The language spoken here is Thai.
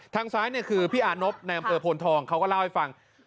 ทางซ้ายเนี่ยคือพี่อานพในอำเภอโพนทองเขาก็เล่าให้ฟัง